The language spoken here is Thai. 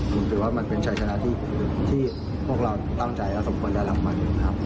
กลุ่มถึงว่ามันเป็นชายชนะที่ที่พวกเราต้องการและสมควรจะรับมัน